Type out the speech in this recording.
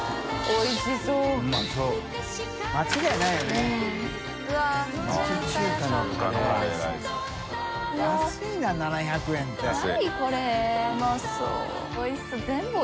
おいしそう全部。